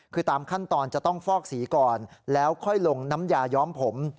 คือตามขั้นตอนจะต้องฟอกสีก่อนแล้วค่อยลงน้ำยาย้อมผม